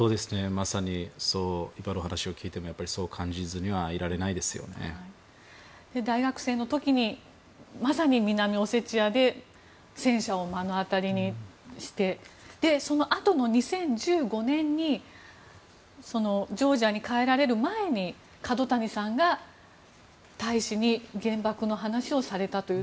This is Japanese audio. まさにいろいろ話を聞いてもそう感じずにはいられないですよね。大学生の時にまさに南オセチアで戦車を目の当たりにしてそのあとの２０１５年にジョージアに帰られる前に角谷さんが大使に原爆の話をされたという。